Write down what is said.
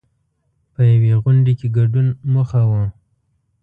په یوې غونډې کې ګډون موخه وه.